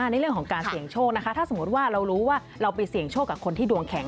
ในเรื่องของการเสี่ยงโชคนะคะถ้าสมมุติว่าเรารู้ว่าเราไปเสี่ยงโชคกับคนที่ดวงแข็ง